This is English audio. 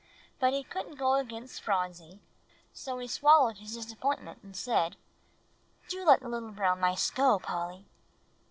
But he couldn't go against Phronsie; so he swallowed his disappointment, and said, "Do let the little brown mice go, Polly."